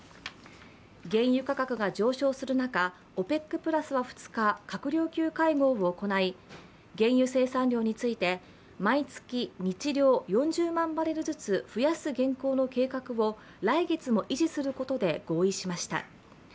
原油価格が上昇する中、ＯＰＥＣプラスは２日、閣僚級会議を行い原油生産量について、毎月日量４０万バレルずつ増やす現行の計画を来月も維持することで合意しました。